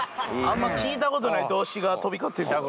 あんま聞いた事ない動詞が飛び交ってる。